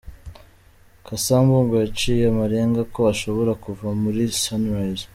Cassa Mbungo yaciye amarenga ko ashobora kuva muri Sunrise.